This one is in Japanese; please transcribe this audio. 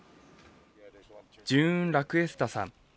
ジューン・ラクエスタさん。